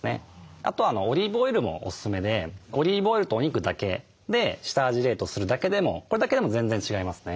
あとオリーブオイルもおすすめでオリーブオイルとお肉だけで下味冷凍するだけでもこれだけでも全然違いますね。